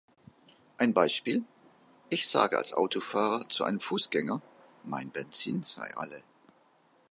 Ein Beispiel: Ich sage als Autofahrer zu einem Fußgänger, mein Benzin sei alle.